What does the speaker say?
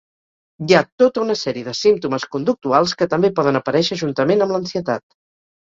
Hi ha tota una sèrie de símptomes conductuals que també poden aparèixer juntament amb l'ansietat.